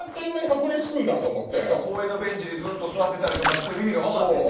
公園のベンチにずっと座ってたりとかしてる意味が分かってんて。